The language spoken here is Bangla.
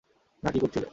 না কী করছিলে?